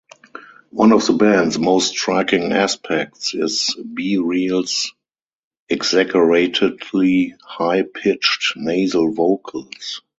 One of the band's most striking aspects is B-Real's exaggeratedly high-pitched nasal vocals.